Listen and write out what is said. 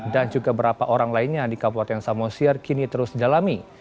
dan juga beberapa orang lainnya di kabupaten samosir kini terus didalami